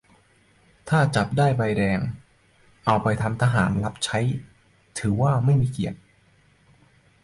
- ถ้าจับได้ใบแดง เอาไปทำทหารรับใช้ได้ ถือว่าไม่มีเกียรติ ?